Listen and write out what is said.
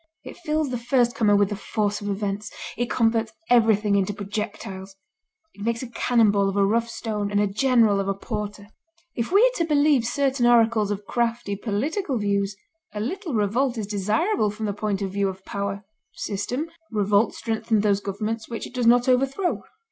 It fills the firstcomer with the force of events; it converts everything into projectiles. It makes a cannon ball of a rough stone, and a general of a porter. If we are to believe certain oracles of crafty political views, a little revolt is desirable from the point of view of power. System: revolt strengthens those governments which it does not overthrow.